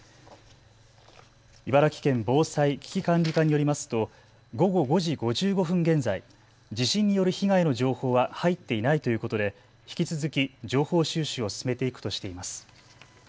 茨城県防災・危機管理課によりますと午後５時５５分現在、地震による被害の情報は入っていないということで引き続き情報収集を進めていくとしています。